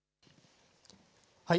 はい。